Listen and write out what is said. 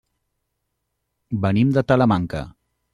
Venim de Talamanca.